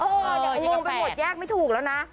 เดี๋ยวงงไปหมดแยกไม่ถูกแล้วนะ